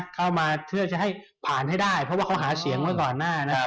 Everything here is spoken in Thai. เข้ามาเพื่อจะให้ผ่านให้ได้เพราะว่าเขาหาเสียงไว้ก่อนหน้านะครับ